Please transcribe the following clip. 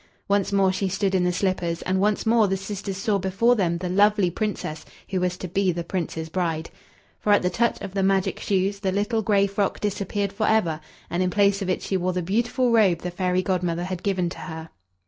Once more she stood in the slippers, and once more the sisters saw before them the lovely Princess who was to be the Prince's bride. For at the touch of the magic shoes, the little gray frock disappeared for ever, and in place of it she wore the beautiful robe the fairy Godmother had given to her.